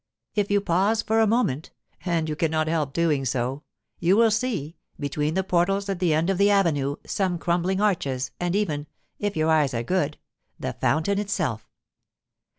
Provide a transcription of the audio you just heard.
If you pause for a moment—and you cannot help doing so—you will see, between the portals at the end of the avenue, some crumbling arches, and even, if your eyes are good, the fountain itself.